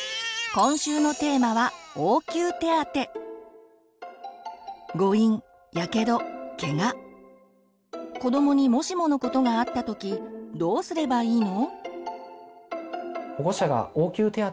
今週のテーマは子どもにもしものことがあったときどうすればいいの？